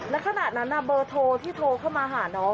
ขณะนั้นเบอร์โทรที่โทรเข้ามาหาน้อง